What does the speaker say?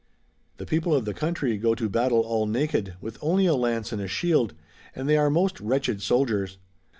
'^ The people of the country go to battle all naked, with only a lance and a shield ; and they are most wretched soldiers.